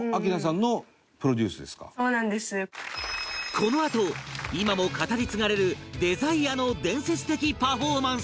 このあと今も語り継がれる『ＤＥＳＩＲＥ』の伝説的パフォーマンス